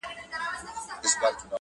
• چي هرشی به یې وو لاس ته ورغلی -